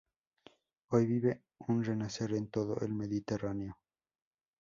Hoy vive un renacer en todo el Mediterráneo.